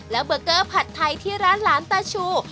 แล้วเบอร์เกอร์ผัดไทยที่ร้านหลานตาชู